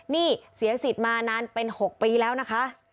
นี่เสียสิทธิ์มานานเป็น๖ปีแล้วนะคะ